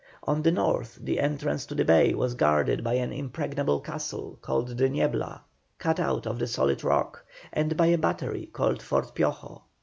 On the north the entrance to the bay was guarded by an impregnable castle, called the Niebla, cut out of the solid rock, and by a battery, called Fort Piojo.